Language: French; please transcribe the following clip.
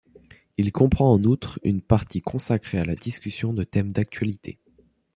Il comprend en outre une partie consacrée à la discussion de thèmes d’actualité.